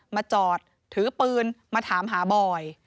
มาจอดถือปืนมาถามหาบอย